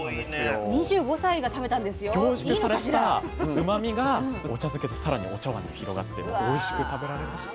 凝縮されたうまみがお茶漬けで更にお茶碗に広がっておいしく食べられました。